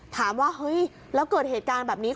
ถามว่าเฮ้ยแล้วเกิดเหตุการณ์แบบนี้